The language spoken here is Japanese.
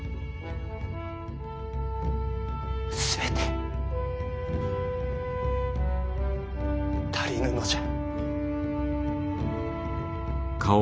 全て足りぬのじゃ。